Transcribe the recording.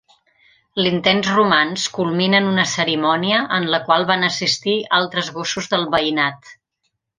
L'intens romanç culmina en una cerimònia en la qual van assistir altres gossos del veïnat.